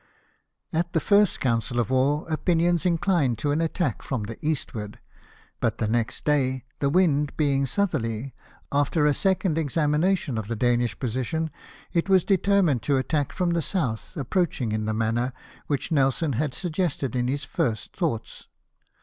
At the first council of war opinions inchned to an attack from the eastward ; but the next dav, the wind being southerly, after a second examination of the Danish position it was determined to attack from the south, approaching in the manner which Nelson had BATTLE OF COPENHAGEN. 225 suggested in his first thoughts.